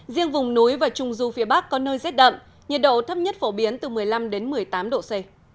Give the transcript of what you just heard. riêng vùng núi và trung du phía bắc có nơi rét đậm nhiệt độ thấp nhất phổ biến từ một mươi năm một mươi tám độ c